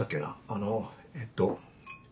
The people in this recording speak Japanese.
あのえっと。